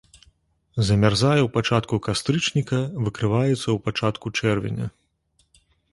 Замярзае ў пачатку кастрычніка, выкрываецца ў пачатку чэрвеня.